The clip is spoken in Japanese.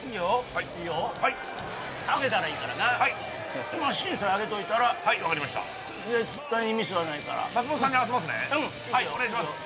はいはいあげたらいいからなはいマシンさえあげといたらはい分かりました絶対にミスはないから松本さんに合わせますねうんいくよそろそろよはいお願いします